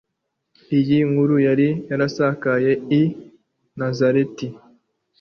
Iyi nkuru yari yarasakaye i Nazareti,